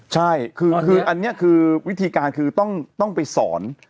ใช่คืออันนี้คือวิธีการคือต้องไปสอน